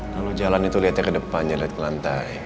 kalau jalan itu liatnya ke depan liat ke lantai